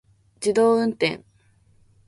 自動運転